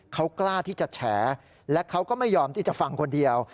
เขากล้าที่จะแฉและเขาก็ไม่ยอมที่จะฟังคนเดียว